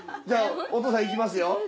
じゃあお父さんいきますよ。